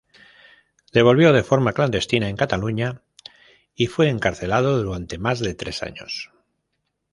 Devolvió, de forma clandestina, en Cataluña y fue encarcelado durante más de tres años.